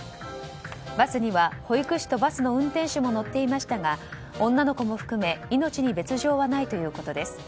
バスには保育士とバスの運転手も乗っていましたが女の子も含め命に別条はないということです。